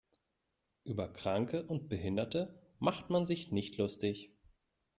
Über Kranke und Behinderte macht man sich nicht lustig.